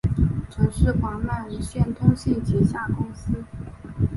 曾是华脉无线通信旗下公司。